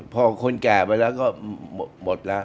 พอคนแก่ไปแล้วก็หมดแล้ว